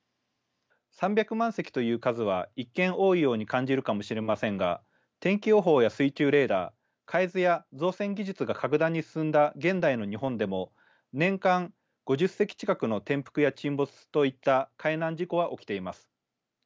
３００万隻という数は一見多いように感じるかもしれませんが天気予報や水中レーダー海図や造船技術が格段に進んだ現代の日本でも年間５０隻近くの転覆や沈没といった海難事故は起きています。